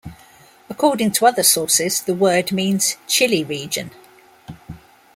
According to other sources the word means 'chilly region'.